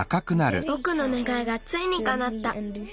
ぼくのねがいがついにかなった。